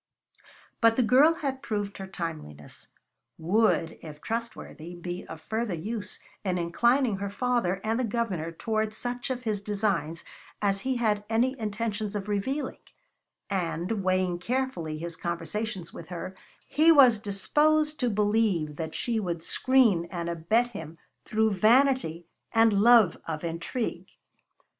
But the girl had proved her timeliness; would, if trustworthy, be of further use in inclining her father and the Governor toward such of his designs as he had any intentions of revealing; and, weighing carefully his conversations with her, he was disposed to believe that she would screen and abet him through vanity and love of intrigue.